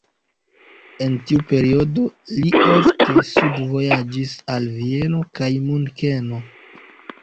En tiu periodo li ofte studvojaĝis al Vieno kaj Munkeno.